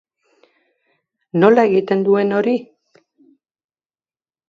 Nola egiten duen hori?